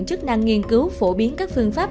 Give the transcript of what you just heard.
chức năng nghiên cứu phổ biến các phương pháp